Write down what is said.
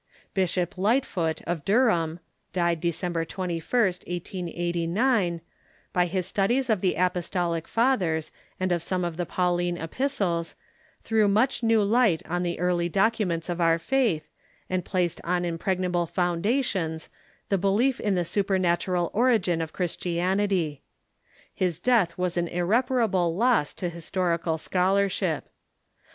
Bishop Lightfoot, of Dur ham (died December 21st, 1889), by his studies of the Apostolic Fathers and of some of the Pauline Epistles, threw much new light on the early documents of our faith, and placed on im pregnable foundations the belief in the supernatural origin of Christianity, His death was an irreparable loss to historical scholarship.